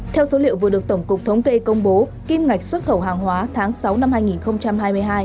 theo số liệu vừa được tổng cục thống kê công bố kim ngạch xuất khẩu hàng hóa tháng sáu năm hai nghìn hai mươi hai